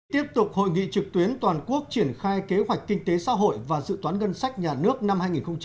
tiếp tục hội nghị trực tuyến toàn quốc triển khai kế hoạch kinh tế xã hội và dự toán ngân sách nhà nước năm hai nghìn hai mươi